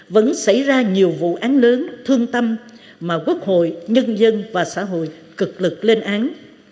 vẫn xảy ra nhiều vụ án lớn thương tâm mà quốc hội nhân dân và xã hội cực lực lên án